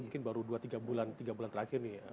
mungkin baru dua tiga bulan terakhir nih